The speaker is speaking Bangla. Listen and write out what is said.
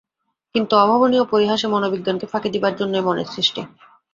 কিন্তু, অভাবনীয় পরিহাসে মনোবিজ্ঞানকে ফাঁকি দিবার জন্যই মনের সৃষ্টি।